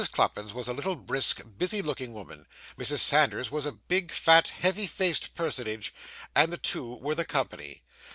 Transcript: Cluppins was a little, brisk, busy looking woman; Mrs. Sanders was a big, fat, heavy faced personage; and the two were the company.